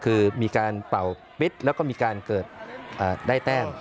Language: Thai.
คือมีการเป่าปิดแล้วก็มีการเกิดได้แต้ม